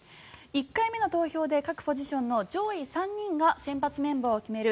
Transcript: １回目の投票で各ポジションの上位３人が先発メンバーを決める